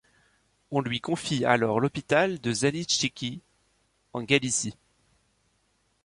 On lui confie alors l'hôpital de Zalichtchyky en Galicie.